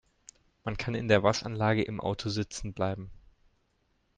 Man kann in der Waschanlage im Auto sitzen bleiben.